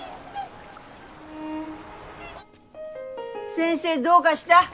先生どうかした？